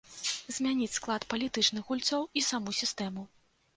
Змяніць склад палітычных гульцоў і саму сістэму.